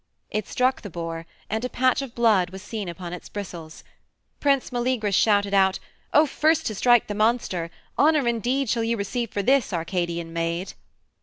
It struck the boar, and a patch of blood was seen upon its bristles. Prince Meleagrus shouted out, "O first to strike the monster! Honor indeed shall you receive for this, Arcadian maid."